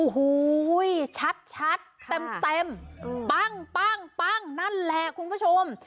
โอ้โหชัดชัดแปมแปมปั้งปั้งปั้งนั่นแหละคุณผู้ชม